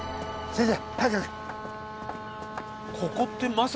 先生